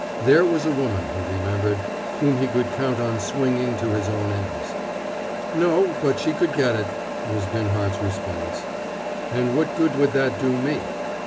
There was a woman, he remembered, whom he could count on swinging to his own ends. "No, but she could get it," was Binhart's response. "And what good would that do me?"